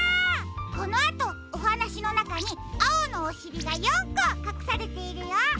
このあとおはなしのなかにあおのおしりが４こかくされているよ。